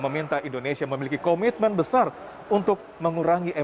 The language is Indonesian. perbankan indonesia yang dikenal sebagai sektor perbankan